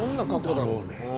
何だろうね？